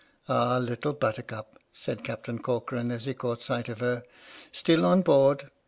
" Ah, Little Buttercup," said Captain Corcoran, as he caught sight of her, " still on board?